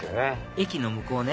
駅の向こうね